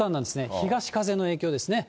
東風の影響ですね。